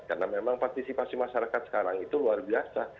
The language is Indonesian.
karena memang partisipasi masyarakat sekarang itu luar biasa